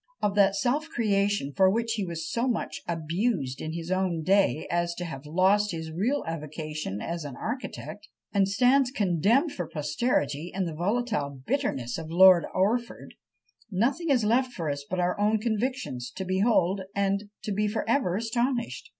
Of that self creation for which he was so much abused in his own day as to have lost his real avocation as an architect, and stands condemned for posterity in the volatile bitterness of Lord Orford, nothing is left for us but our own convictions to behold, and to be for ever astonished!